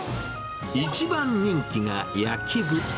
一番人気が焼き豚。